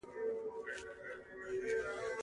ګټه باید په سمه لاره ولګول شي.